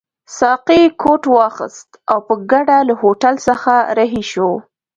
ساقي کوټ واغوست او په ګډه له هوټل څخه رهي شوو.